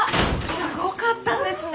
すごかったんですね